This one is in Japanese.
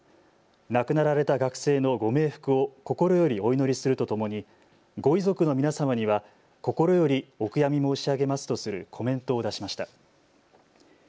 亡くなられた学生のご冥福を心よりお祈りするとともにご遺族の皆様には心よりお悔やみ申し上げますとするコメントを出しました。